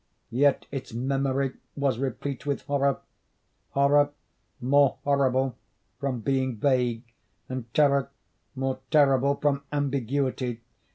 Yet its memory was replete with horror—horror more horrible from being vague, and terror more terrible from ambiguity.